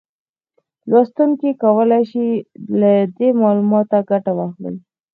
لوستونکي کولای شي له دې معلوماتو ګټه واخلي